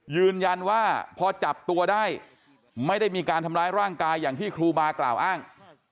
ยืนยันว่าพอจับตัวได้ไม่ได้มีการทำร้ายร่างกายอย่างที่ครูบากล่าวอ้าง